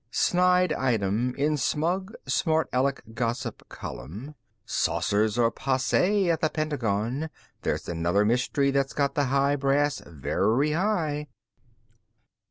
_Snide item in smug, smartaleck gossip column: Saucers are passé at the Pentagon. There's another mystery that's got the high brass very high.